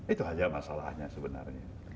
itu saja masalahnya sebenarnya